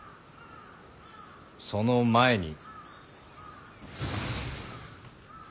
その前に。